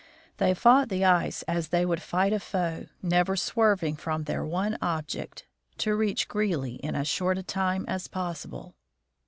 They fought the ice as they would fight a foe, never swerving from their one object — to reach Greely in as short a time as possible.